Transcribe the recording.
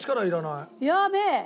やべえ！